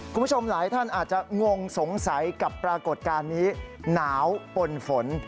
คุณผู้ชมหลายท่านอาจจะงงสงสัยกับปรากฏการณ์นี้หนาวปนฝน